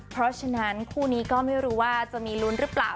เพราะฉะนั้นคู่นี้ก็ไม่รู้ว่าจะมีลุ้นหรือเปล่า